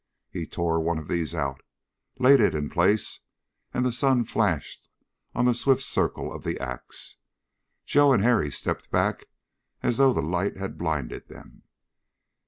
He tore one of these out, laid it in place, and the sun flashed on the swift circle of the ax. Joe and Harry stepped back as though the light had blinded them.